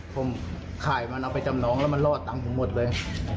ผมขายมันเอาไปจำนองแล้วมันรอดตังค์ผมหมดเลย